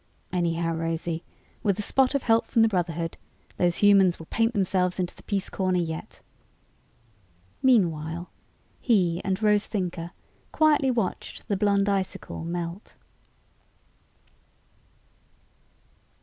Anyhow, Rosie, with a spot of help from the Brotherhood, those humans will paint themselves into the peace corner yet." Meanwhile, he and Rose Thinker quietly watched the Blonde Icicle melt.